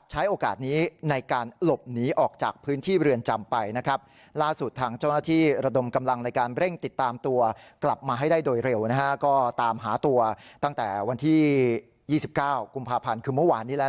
ตอนที่๒๙กุมภาพันธ์คือเมื่อวานนี้แล้วนะฮะ